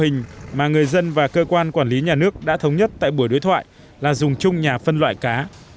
các dân và cơ quan quản lý nhà nước đã thống nhất tại buổi đối thoại là dùng chung nhà phân loại cá